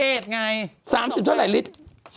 เพราะ๓๘ไง๓๐เท่าไหร่ลิตร